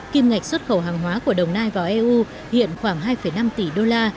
kim ngạch xuất khẩu hàng hóa của đồng nai vào eu hiện khoảng hai năm tỷ đô la